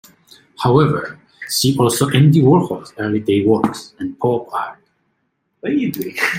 However, see also Andy Warhol's early works, and Pop Art.